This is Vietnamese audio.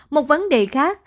một vấn đề khác